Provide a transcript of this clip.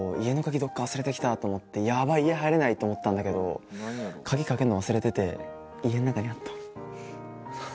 どこか忘れてきたと思ってやばい家入れないと思ったんだけど鍵かけるの忘れてて家の中にあったわ。